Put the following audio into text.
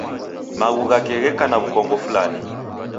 Maghu ghake gheka na w'ukongo fulani.